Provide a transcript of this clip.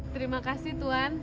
terima kasih tuan